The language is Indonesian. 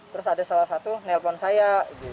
terus ada salah satu nelpon saya